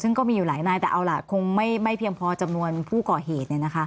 ซึ่งก็มีอยู่หลายนายแต่เอาล่ะคงไม่เพียงพอจำนวนผู้ก่อเหตุ